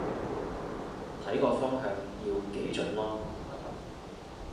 睇個方向要幾準囉